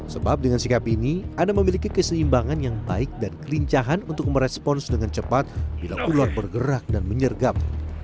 sebab dengan sikap ini anda memiliki keseimbangan yang baik dan kelincahan untuk merespons dengan cepat bila ular bergerak dan menyergap